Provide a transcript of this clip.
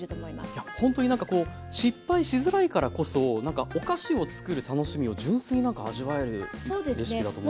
いやほんとになんかこう失敗しづらいからこそなんかお菓子をつくる楽しみを純粋になんか味わえるレシピだと思いましたね。